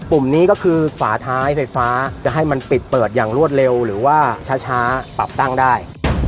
กลุ่มนี้ก็คือฝาท้ายไฟฟ้าจะให้มันปิดเปิดอย่างรวดเร็วหรือว่าช้าปรับตั้งได้